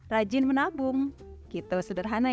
rajin menabung gitu sederhana ya